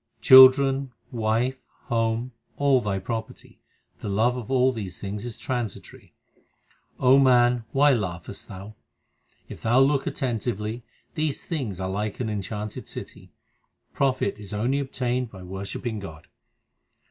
Children, wife, home, all thy property the love of all these things is transitory. O man, why laughest thou ? If thou look attentively, these things are like an en chanted city ; 1 profit is only obtained by worshipping God.